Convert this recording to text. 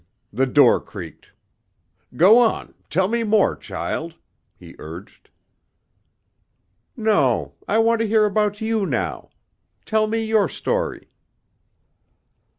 "Nothing. The door creaked. Go on. Tell me more, child," he urged. "No. I want to hear about you now. Tell me your story."